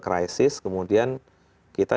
crisis kemudian kita